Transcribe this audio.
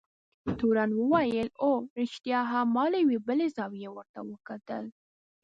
تورن وویل: اوه، رښتیا هم، ما له یوې بلې زاویې ورته کتل.